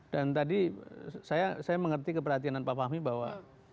dan tadi saya mengerti keperhatianan pak fahmi bahwa